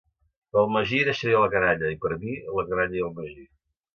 Pel Magí deixaria la canalla, i per mi, la canalla i el Magí.